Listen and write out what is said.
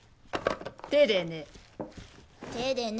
手でね。